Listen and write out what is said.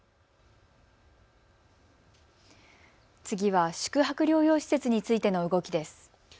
次は宿泊療養施設についての動きです。